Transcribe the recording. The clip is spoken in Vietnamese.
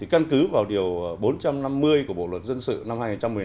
căn cứ vào điều bốn trăm năm mươi của bộ luật dân sự năm hai nghìn một mươi năm